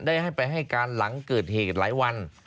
ได้ให้ไปให้การหลังเกิดเหตุหลายวัน